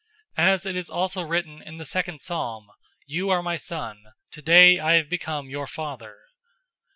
As it is also written in the second psalm, 'You are my Son. Today I have become your father.'